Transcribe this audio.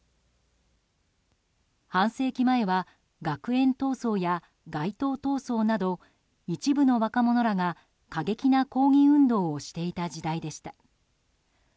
半世紀前は学園闘争や街頭闘争など一部の若者らが過激な抗議運動をしていた時代でした。